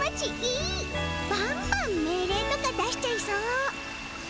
バンバン命令とか出しちゃいそう。